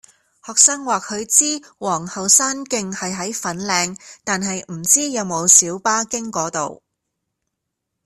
學生話佢知皇后山徑係喺粉嶺，但係唔知有冇小巴經嗰度